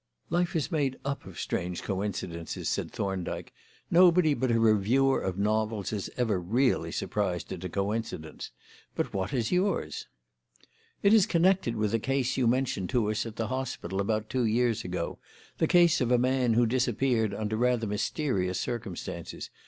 "Life is made up of strange coincidences," said Thorndyke. "Nobody but a reviewer of novels is ever really surprised at a coincidence. But what is yours?" "It is connected with a case that you mentioned to us at the hospital about two years ago, the case of a man who disappeared under rather mysterious circumstances.